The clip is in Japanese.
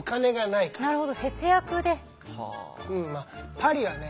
パリはね